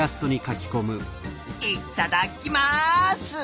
いっただっきます！